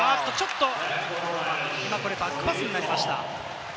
バックパスになりました。